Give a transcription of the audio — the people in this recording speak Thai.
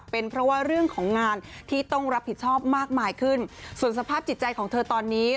เป็นเพราะว่าเรื่องของงานที่ต้องรับผิดชอบมากมายขึ้นส่วนสภาพจิตใจของเธอตอนนี้